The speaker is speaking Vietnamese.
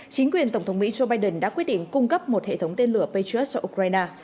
chính quyền tổng thống mỹ joe biden đã quyết định cung cấp một hệ thống tên lửa patrick cho ukraine